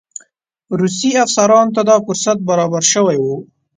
روسي افسرانو ته دا فرصت برابر شوی وو.